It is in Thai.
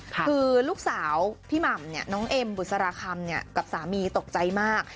คือลูกสาวพี่หม่ำเนี่ยน้องเอ็มบุษราคำกับสามีตกใจมาก